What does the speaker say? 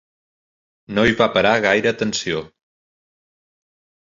No hi va parar gaire atenció.